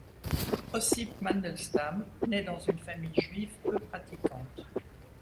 Ossip Mandelstam naît dans une famille juive peu pratiquante.